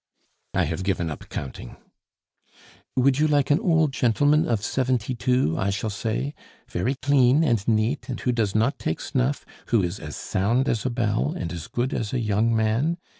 "I have given up counting." "'Would you like an old gentleman of seventy two?' I shall say. 'Very clean and neat, and who does not take snuff, who is as sound as a bell, and as good as a young man?